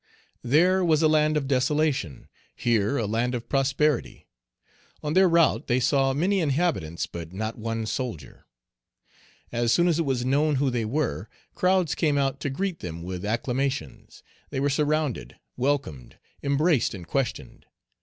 There was a land of desolation; here a land of prosperity. On their route they saw many inhabitants, but not one soldier. As soon as it was known who they were, crowds came out to greet them with acclamations; they were surrounded, welcomed, embraced, and questioned.